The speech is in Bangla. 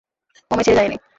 ও আমায় ছেড়ে যায়নি।